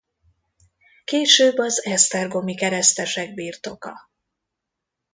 Később az esztergomi keresztesek birtoka.